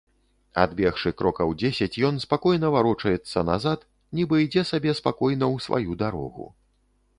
Адбегшы крокаў дзесяць, ён спакойна варочаецца назад, нібы ідзе сабе спакойна ў сваю дарогу.